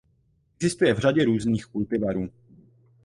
Existuje v řadě různých kultivarů.